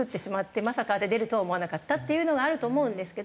まさかあれ出るとは思わなかったっていうのがあると思うんですけど。